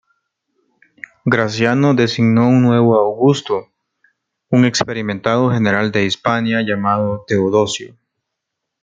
Graciano designó un nuevo augusto, un experimentado general de Hispania llamado Teodosio.